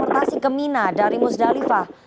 dan juga transportasi ke mina dari musdalifah